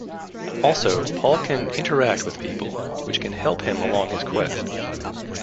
Also, Paul can interact with people, which can help him along his quest.